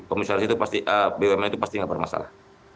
komisaris itu pasti bumn itu pasti nggak bermasalah